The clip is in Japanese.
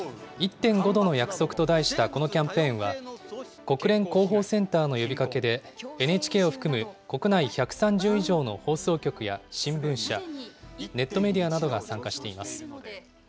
１．５℃の約束と題したこのキャンペーンは、国連広報センターの呼びかけでＮＨＫを含む国内１３０以上の放送局や新聞社、ネットメディアなどが参加しています。